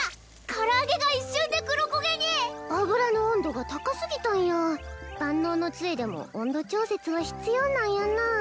唐揚げが一瞬で黒焦げに油の温度が高すぎたんや万能の杖でも温度調節は必要なんやなあ